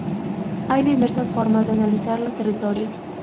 Hay diversas formas de analizar los territorios.